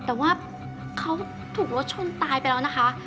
แต่ว่าเขาถูกรถชนตายไปแล้วนะคะ